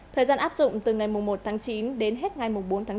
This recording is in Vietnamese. thời gian áp dụng từ ngày một tháng chín đến hết ngày bốn tháng chín